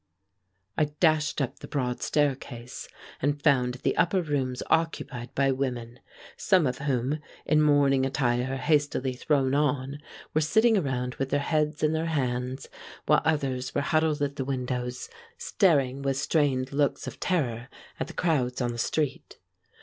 I dashed up the broad staircase, and found the upper rooms occupied by women, some of whom, in morning attire hastily thrown on, were sitting around with their heads in their hands, while others were huddled at the windows, staring with strained looks of terror at the crowds on the street.